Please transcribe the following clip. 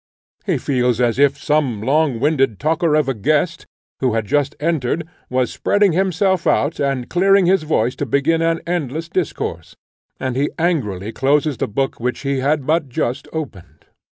He feels as if some long winded talker of a guest, who had just entered, was spreading himself out, and clearing his voice to begin an endless discourse, and he angrily closes the book which he had but just opened.